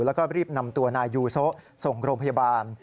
แล้วก็รีบนำตัวนายยูโซะส่งโรงพยาบาล